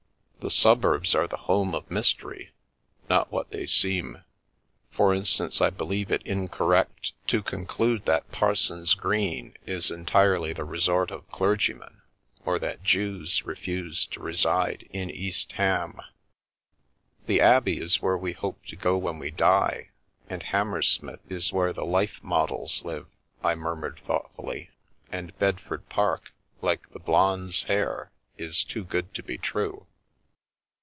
The suburbs are the home of mystery, not what they seem; for instance, I believe it incorrect to conclude that Parson's Green is entirely the resort of clergymen, or that Jews refuse to reside in East Ham." " The Abbey is where we hope to go when we die, and Hammersmith is where the life models live," I murmured thoughtfully, "and Bedford Park, like the Blonde's hair, is too good to be true."